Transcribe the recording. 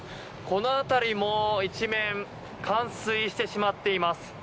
この辺りも一面冠水してしまっています。